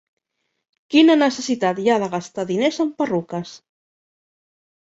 Quina necessitat hi ha de gastar diners en perruques?